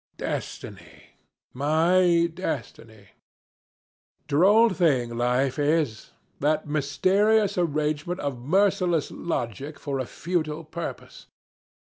Destiny. My destiny! Droll thing life is that mysterious arrangement of merciless logic for a futile purpose.